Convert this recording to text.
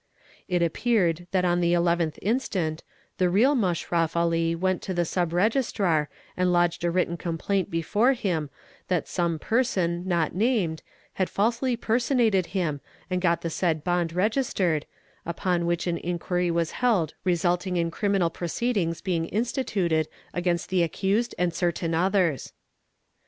It. appeared that on the 11th instant, the real Moshrof Ali went to the Sub Registrar, and lodged a written complaint before him that some FINGER PRINTS 285 person, not named, had falsely personated him and got the said bond registered, upon which an inquiry was held resulting in criminal pro ceedings being instituted against the accused and certain others.........